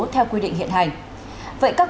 theo quy định hiện hành vậy các